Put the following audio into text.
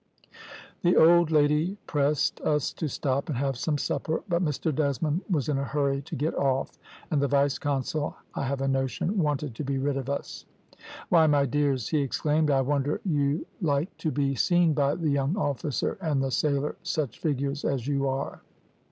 "The old lady pressed us to stop and have some supper, but Mr Desmond was in a hurry to get off, and the vice consul, I have a notion, wanted to be rid of us. "`Why, my dears,' he exclaimed, `I wonder you like to be seen by the young officer and the sailor, such figures as you are.'